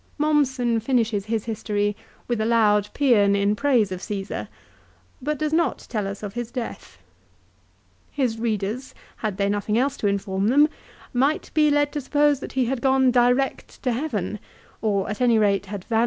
Mommsen finishes his history with a loud paean in praise of Caesar, but does not tell us of his death. His readers, had they nothing else to inform them, might be led to suppose that he had gone direct to heaven, or at any rate had vanished 1 A<1 Att.